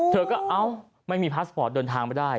เธอก็เอ้าไม่มีพาสปอร์ตเดินทางไปได้